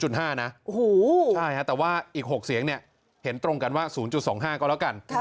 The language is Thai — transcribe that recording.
ใช่แต่ว่าอีก๖เสียงเนี่ยเห็นตรงกันว่า๐๒๕ก็แล้วกัน